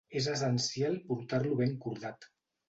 És essencial portar-lo ben cordat.